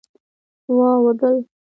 واوډل